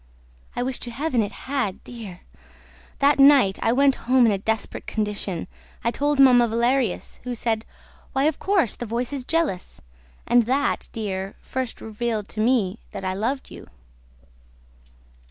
I wish to Heaven it had, dear! ... That night, I went home in a desperate condition. I told Mamma Valerius, who said, 'Why, of course, the voice is jealous!' And that, dear, first revealed to me that I loved you."